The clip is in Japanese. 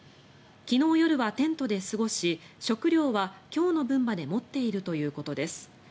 昨日夜はテントで過ごし食料は今日の分まで持っているということです。